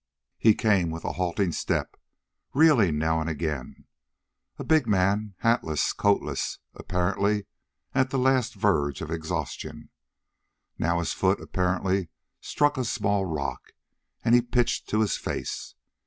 He came with a halting step, reeling now and again, a big man, hatless, coatless, apparently at the last verge of exhaustion. Now his foot apparently struck a small rock, and he pitched to his face.